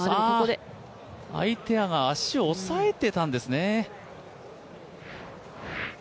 相手が足を押さえてたんですね。